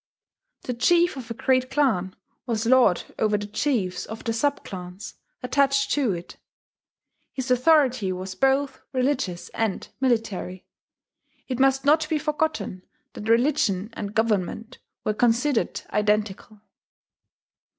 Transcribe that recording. The chief of a great clan was lord over the chiefs of the subclans attached to it: his authority was both religious and military. It must not be forgotten that religion and government were considered identical.